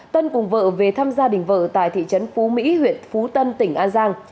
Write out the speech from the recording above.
tân cùng vợ về thăm gia đình vợ tại thị trấn phú mỹ huyện phú tân tỉnh an giang